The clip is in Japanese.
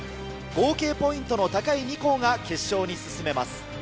合計ポイントの高い２校が決勝に進めます。